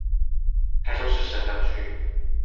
台中市神岡區